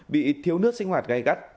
bị thiếu nước sinh hoạt gây gắt